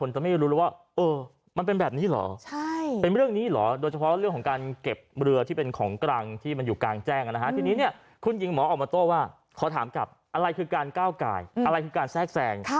ทรายอะไรคือการแซ่ง